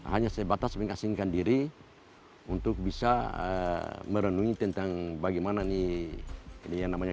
hanya sebatas mengasingkan diri untuk bisa merenungi tentang bagaimana nih ini yang namanya